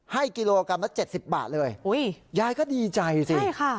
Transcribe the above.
ให้กิโลกรัมละเจ็ดสิบบาทเลยยายก็ดีใจสิค่ะ